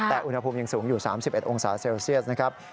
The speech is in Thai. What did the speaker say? แต่อุณหภูมิยังสูงอยู่๓๑องศาเซลเซียสนะครับ